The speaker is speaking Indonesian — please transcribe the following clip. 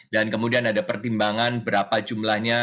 dan kemudian ada pertimbangan berapa jumlahnya